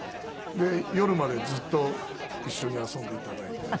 で夜までずっと一緒に遊んで頂いて。